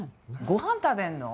ごはん食べるの？